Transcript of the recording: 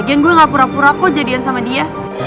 agen gue gak pura pura kok jadian sama dia